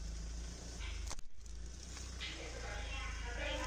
Tím pádem podává na druhého protivníka.